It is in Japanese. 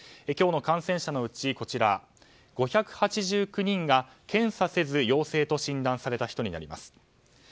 今日の感染者のうち５８９人が検査せず陽性と診断された人になります。